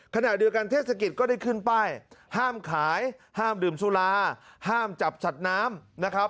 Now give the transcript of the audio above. ขณะเดียวกันเทศกิจก็ได้ขึ้นป้ายห้ามขายห้ามดื่มสุราห้ามจับสัตว์น้ำนะครับ